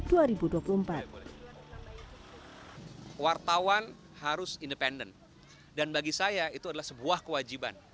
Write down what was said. wartawan harus independen dan bagi saya itu adalah sebuah kewajiban